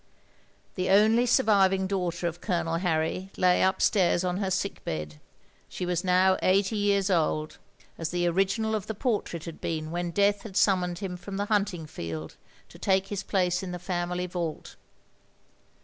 " The only surviving daughter of Colonel Harry lay upstairs on her sick bed. She was now eighty years old, as the original of the portrait had been when death had summoned him from the htmting field to take his place in the family vault.